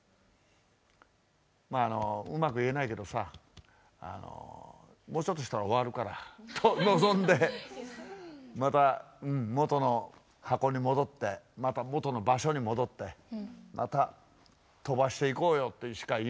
まあうまく言えないけどさもうちょっとしたら終わるからと望んでまた元の箱に戻ってまた元の場所に戻ってまた飛ばしていこうよとしか言えないんですけどね。